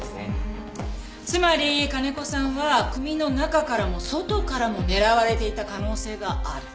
つまり金子さんは組の中からも外からも狙われていた可能性がある。